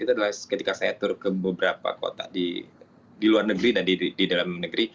itu adalah ketika saya turun ke beberapa kota di luar negeri dan di dalam negeri